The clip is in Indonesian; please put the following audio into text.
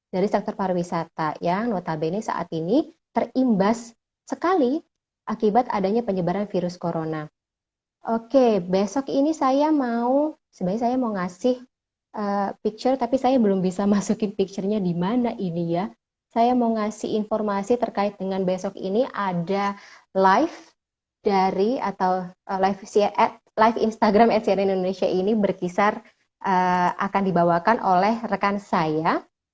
dari sektor pariwisata yang notabene saat ini terimbas sekali akibat adanya penyebaran virus corona oke besok ini saya mau sebenarnya saya mau ngasih picture tapi saya belum bisa masukin picturenya di mana ini ya saya mau ngasih informasi terkait dengan besok ini ada live dari atau live instagram at sri indonesia ini berkisar akan dibawakan oleh rekan saya